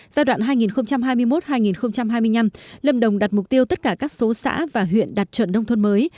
giai đoạn hai nghìn hai mươi một hai nghìn hai mươi năm lâm đồng đặt mục tiêu tất cả các số xã và huyện đạt chuẩn nông thôn mới